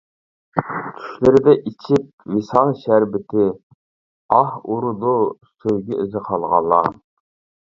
چۈشلىرىدە ئېچىپ ۋىسال شەربىتى. ئاھ ئۇرىدۇ. سۆيگۈ ئىزى قالغانلار.